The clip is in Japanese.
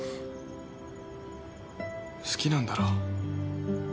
好きなんだろ？